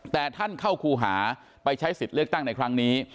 แต่ท่านเข้าครูหาไปใช้สิทธิ์เลือกตั้งในครั้งนี้